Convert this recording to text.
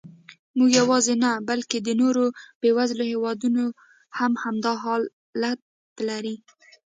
موږ یواځې نه، بلکې د نورو بېوزلو هېوادونو هم همدا حالت لري.